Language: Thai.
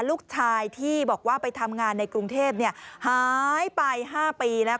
ลูกชายที่บอกว่าไปทำงานในกรุงเทพหายไป๕ปีแล้ว